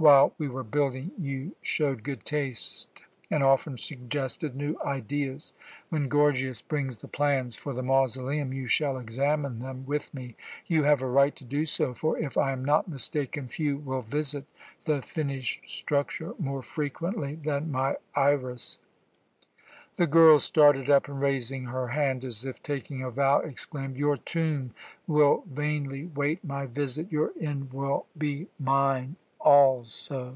While we were building, you showed good taste and often suggested new ideas. When Gorgias brings the plans for the mausoleum you shall examine them with me. You have a right to do so, for, if I am not mistaken, few will visit the finished structure more frequently than my Iras." The girl started up and, raising her hand as if taking a vow, exclaimed: "Your tomb will vainly wait my visit; your end will be mine also."